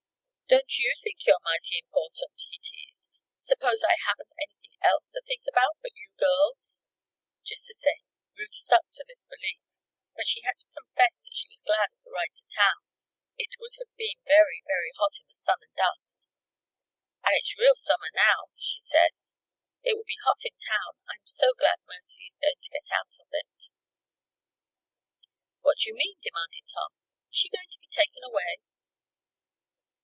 "Don't you think you're mighty important?" he teased. "Suppose I haven't anything else to think about but you girls?" Just the same, Ruth stuck to this belief. But she had to confess that she was glad of the ride to town. It would have been very, very hot in the sun and dust. "And it's real summer, now," she said. "It will be hot in town. I'm so glad Mercy is going to get out of it." "What do you mean?" demanded Tom. "Is she going to be taken away?"